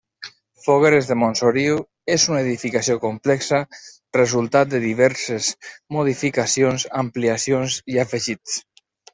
Fogueres de Montsoriu és una edificació complexa, resultat de diverses modificacions, ampliacions i afegits.